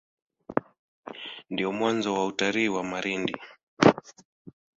Ndio mwanzo wa utalii wa Malindi.